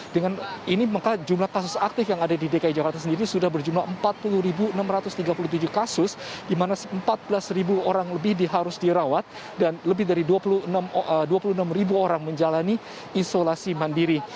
dengan ini maka jumlah kasus aktif yang ada di dki jakarta sendiri sudah berjumlah empat puluh enam ratus tiga puluh tujuh kasus di mana empat belas orang lebih harus dirawat dan lebih dari dua puluh enam ribu orang menjalani isolasi mandiri